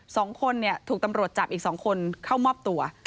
สองคนเนี่ยถูกตำรวจจับอีกสองคนเข้ามอบตัว